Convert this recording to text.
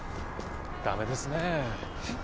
ダメですねえっ